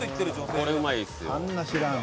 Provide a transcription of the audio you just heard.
これうまいですよ。